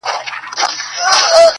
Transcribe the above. له ګنجي سره را ستون تر خپل دوکان سو-